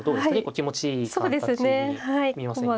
気持ちいい形に見えませんか。